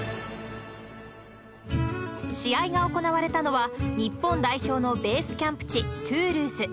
試合が行われたのは、日本代表のベースキャンプ地、トゥールーズ。